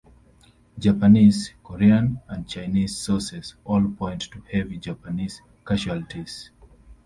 Japanese, Korean, and Chinese sources all point to heavy Japanese casualties.